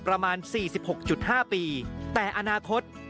กลับวันนั้นไม่เอาหน่อย